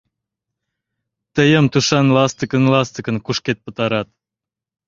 Тыйым тушан ластыкын-ластыкын кушкед пытарат.